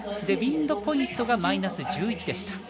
ウィンドポイントがマイナス１１でした。